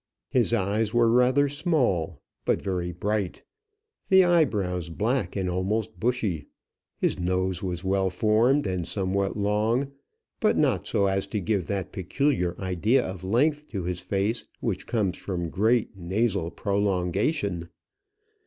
His eyes were rather small, but very bright; the eyebrows black and almost bushy; his nose was well formed and somewhat long, but not so as to give that peculiar idea of length to his face which comes from great nasal prolongation.